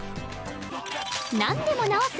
何でも直す！